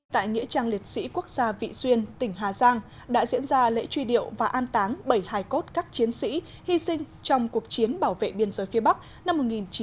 tại nghĩa trang liệt sĩ quốc gia vị xuyên tỉnh hà giang đã diễn ra lễ truy điệu và an táng bảy mươi hai cốt các chiến sĩ hy sinh trong cuộc chiến bảo vệ biên giới phía bắc năm một nghìn chín trăm bảy mươi chín một nghìn chín trăm tám mươi chín